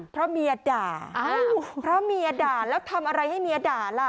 เพราะเมียด่าเพราะเมียด่าแล้วทำอะไรให้เมียด่าล่ะ